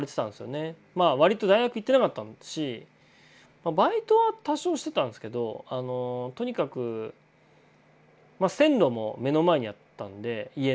まあ割と大学行ってなかったしバイトは多少してたんですけどとにかく線路も目の前にあったんで家の。